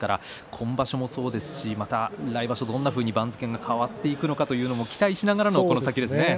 今場所もそうですし来場所どんなふうに番付が変わっていくのかということも期待しながらの相撲ですね。